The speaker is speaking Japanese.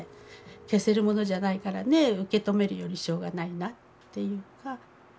消せるものじゃないからね受け止めるよりしょうがないなっていうか。